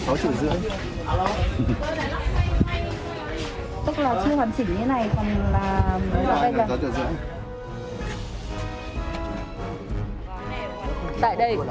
sản xuất đủ các loại khẩu trang